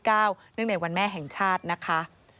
เนื่องในวันแม่แห่งชาตินะคะ